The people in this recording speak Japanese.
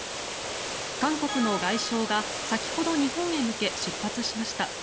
韓国の外相が先ほど日本へ向け出発しました。